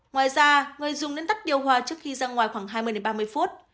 ngoài ra người dùng nên tắt điêu hoa trước khi ra ngoài khoảng hai mươi ba mươi phút